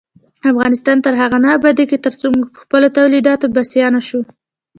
افغانستان تر هغو نه ابادیږي، ترڅو موږ پخپلو تولیداتو بسیا نشو.